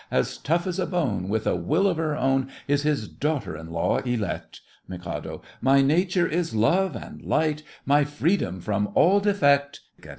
As tough as a bone, With a will of her own, Is his daughter in law elect! MIK. My nature is love and light— My freedom from all defect— KAT.